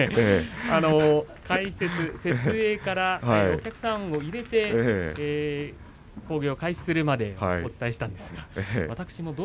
開設、設営からお客さんを入れて興行を開始するまでお伝えしました。